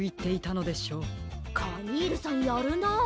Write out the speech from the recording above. カニールさんやるな。